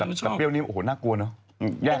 แล้วเปรี้ยวนิ่มอ่ะโหน่ากลัวเนาะ